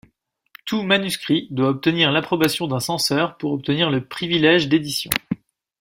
Tout manuscrit doit obtenir l'approbation d'un censeur pour obtenir le privilège d'édition.